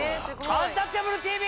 「アンタッチャブるＴＶ」